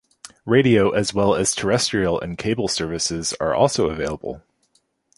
Radio, as well as, terrestrial and cable television services are also available.